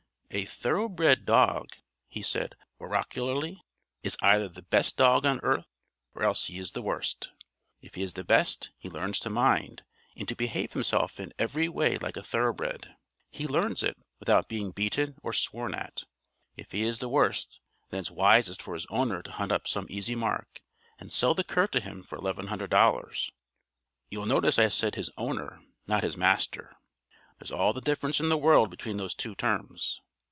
"A thoroughbred dog," he said oracularly, "is either the best dog on earth, or else he is the worst. If he is the best he learns to mind, and to behave himself in every way like a thoroughbred. He learns it without being beaten or sworn at. If he is the worst then it's wisest for his owner to hunt up some Easy Mark and sell the cur to him for $1100. You'll notice I said his 'owner' not his 'master.' There's all the difference in the world between those two terms.